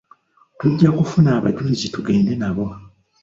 Tujja kufuna abajulizi tugende nabo.